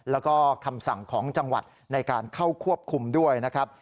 แล้วก็คำสั่งของจังหวัดในการเข้าควบคุมด้วยนะครับ